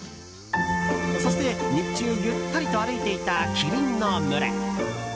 そして日中ゆったりと歩いていたキリンの群れ。